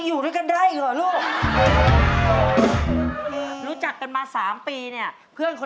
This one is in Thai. คือเขาแท็กแคร์ดีมากแล้วก็